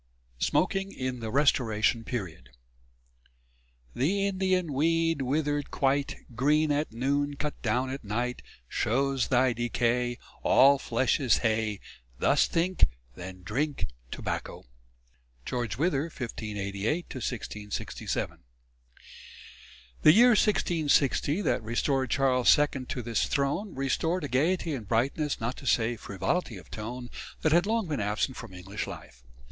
V SMOKING IN THE RESTORATION PERIOD The Indian weed withered quite Green at noon, cut down at night, Shows thy decay All flesh is hay: Thus think, then drink tobacco. GEORGE WITHER (1588 1667). The year 1660 that restored Charles II to his throne, restored a gaiety and brightness, not to say frivolity of tone, that had long been absent from English life.